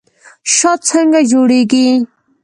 شات څنګه جوړیږي؟